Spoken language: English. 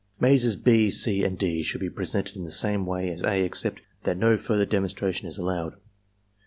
Mazes (6), (c), and {d) should be presented in the same way as (a) except that no further demonstration is allowed.